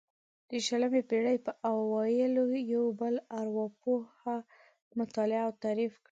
د شلمې پېړۍ په اوایلو یو بل ارواپوه مطالعه او تعریف کړه.